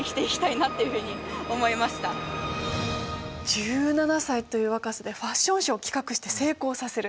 １７歳という若さでファッションショーを企画して成功させる。